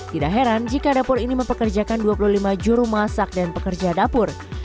tidak heran jika dapur ini mempekerjakan dua puluh lima juru masak dan pekerja dapur